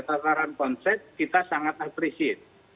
tataran konsep kita sangat apresi